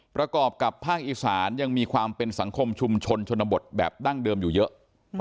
ประกอบกับภาคอีสานยังมีความเป็นสังคมชุมชนชนบทแบบดั้งเดิมอยู่เยอะ